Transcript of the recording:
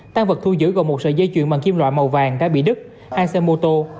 tăng vật thu giữ gồm một sợi dây chuyền bằng kim loại màu vàng cá bị đứt hai xe mô tô